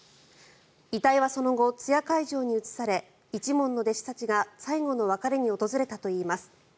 遺体はその後、通夜会場に移され一門の弟子たちが最後の別れに訪れたといいます。